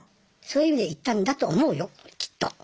そういう意味で言ったんだと思うよきっと。